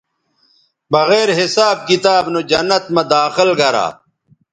بغیر حساب کتاب نو جنت مہ داخل گرا